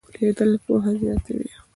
اورېدل پوهه زیاتوي.